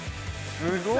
すごい！